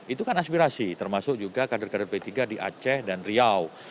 itu kan aspirasi termasuk juga kader kader p tiga di aceh dan riau